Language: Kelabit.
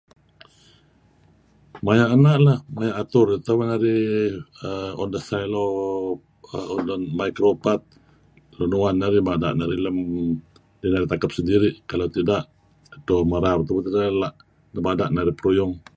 Maya' ena' leh. Renga' maya' atur. Tulu narih on the silo micro path lun uan narih mada' narih lam takap sendiri' tideh, kereb teh narih nebada' deh peruyung.